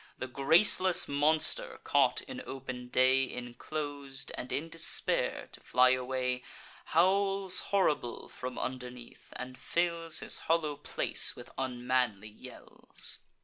The graceless monster, caught in open day, Inclos'd, and in despair to fly away, Howls horrible from underneath, and fills His hollow palace with unmanly yells.